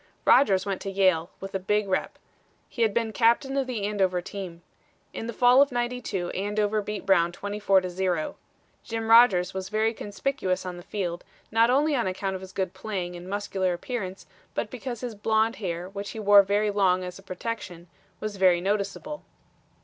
Rodgers went to Yale with a big rep. He had been captain of the Andover team. In the fall of '92 Andover beat Brown 24 to 0. Jim Rodgers was very conspicuous on the field, not only on account of his good playing and muscular appearance, but because his blond hair, which he wore very long as a protection, was very noticeable.